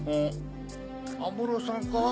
安室さんか？